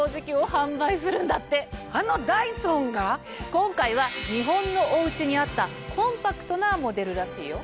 今回は日本のお家に合ったコンパクトなモデルらしいよ。